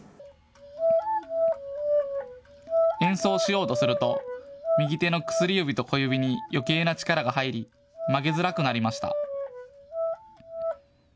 演奏しようとすると右手の薬指と小指に余計な力が入り曲げづらくなりました。